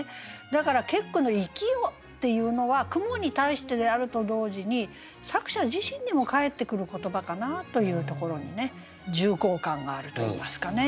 だから結句の「生きよ」っていうのは蜘蛛に対してであると同時に作者自身にも返ってくる言葉かなというところにね重厚感があるといいますかね。